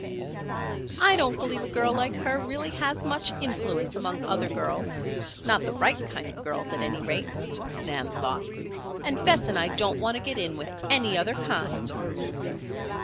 "I don't believe a girl like her really has much influence among other girls not the right kind of girls, at any rate," Nan thought. "And Bess and I don't want to get in with any other kind."